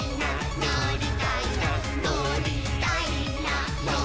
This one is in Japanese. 「のりたいなのりたいな」